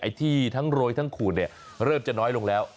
ที่ทั้งโรยทั้งขูดเนี่ยเริ่มจะน้อยลงแล้ว